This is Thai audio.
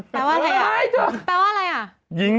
แปลว่าอะไรแปลว่าอะไร